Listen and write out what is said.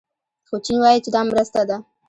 خو چین وايي چې دا مرسته ده.